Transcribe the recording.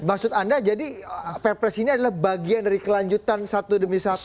maksud anda jadi perpres ini adalah bagian dari kelanjutan satu demi satu